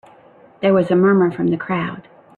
There was a murmur from the crowd.